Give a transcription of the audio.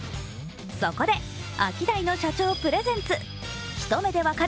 そこで、アキダイの社長プレゼンツ「一目でわかる！